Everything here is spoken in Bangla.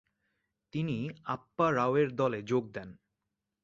তিনি আপ্পা রাওয়ের দলে যোগ দেন।